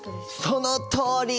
そのとおり。